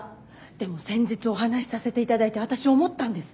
でも先日お話しさせて頂いて私思ったんです。